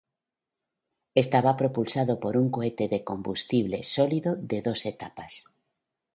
Estaba propulsado por un cohete de combustible sólido de dos etapas.